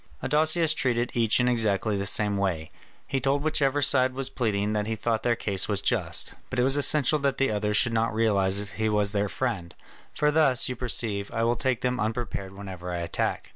Adousius treated each in exactly the same way, he told whichever side was pleading that he thought their case was just, but it was essential that the others should not realise he was their friend, "for thus, you perceive, I will take them unprepared whenever I attack."